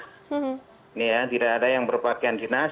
ini ya tidak ada yang berpakaian dinas